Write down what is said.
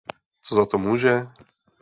Co za to může?